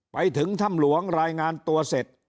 ไปถึงถ้ำหลวงรายงานตัวเสร็จ